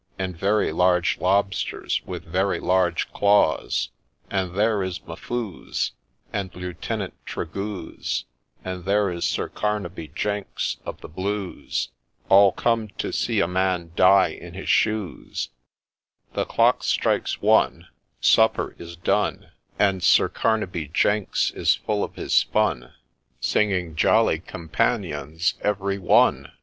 — And very large lobsters, with very large claws ; And there is M'Fuze, And Lieutenant Tregooze, And there is Sir Carnaby Jenks, of the Blues, All come to see a man ' die in his shoes I ' The clock strikes One Supper is done, 184 HON. MR. SUCKLETHUMBKIN'S STORY And Sir Carnaby Jenks is full of his fun, Singing ' Jolly companions every one